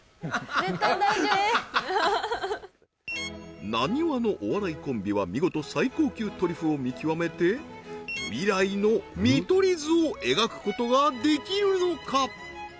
絶対大丈夫浪速のお笑いコンビは見事最高級トリュフを見極めて未来の見取り図を描くことができるのか？